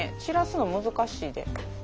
散らすの難しいで。